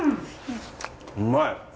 うまい！